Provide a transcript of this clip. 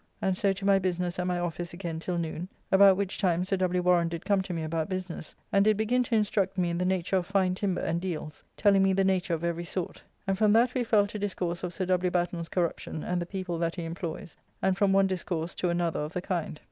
And so to my business at my office again till noon, about which time Sir W. Warren did come to me about business, and did begin to instruct me in the nature of fine timber and deals, telling me the nature of every sort; and from that we fell to discourse of Sir W. Batten's corruption and the people that he employs, and from one discourse to another of the kind.